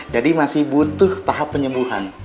jadi masih butuh tahap penyembuhan